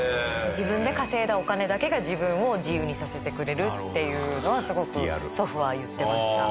自分で稼いだお金だけが自分を自由にさせてくれるっていうのはすごく祖父は言ってました。